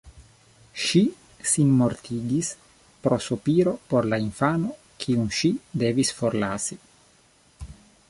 Ŝi sinmortigis pro sopiro por la infano kiun ŝi devis forlasi.